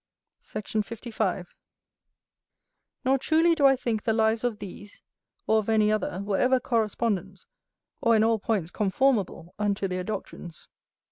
Sect. 55. Nor truly do I think the lives of these, or of any other, were ever correspondent, or in all points conformable, unto their doctrines.